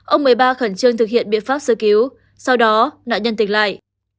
ông một mươi ba khẩn trương thực hiện biện pháp sơ cứu sau đó nạn nhân tỉnh lại